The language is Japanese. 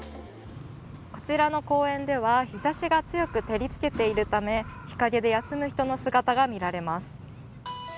こちらの公園では日ざしが強く照りつけているため日陰で休む人の姿が見られます。